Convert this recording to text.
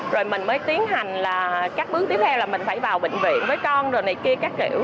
rồi mình mới tiến hành là các bước tiếp theo là mình phải vào bệnh viện với con rồi này kia các kiểu